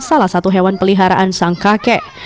salah satu hewan peliharaan sang kakek